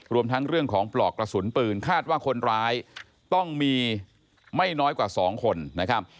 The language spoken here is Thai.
รวมทั้งเรื่องของปลอกกระสุนปืนคาดว่าคนร้ายต้องมีไม่น้อยกว่า๒คนนะครับ